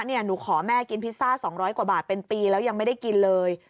หนูขอแม่กินพิซซ่า๒๐๐กว่าบาทเป็นปีแล้วยังไม่ได้กินเลย